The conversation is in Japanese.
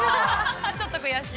◆ちょっと悔しい。